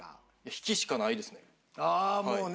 引きしかないですね。